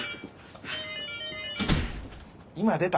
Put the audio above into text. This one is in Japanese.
今出た。